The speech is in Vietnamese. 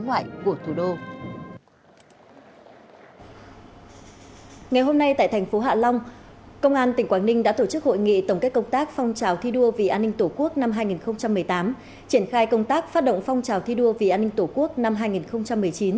ngày hôm nay tại thành phố hạ long công an tỉnh quảng ninh đã tổ chức hội nghị tổng kết công tác phong trào thi đua vì an ninh tổ quốc năm hai nghìn một mươi tám triển khai công tác phát động phong trào thi đua vì an ninh tổ quốc năm hai nghìn một mươi chín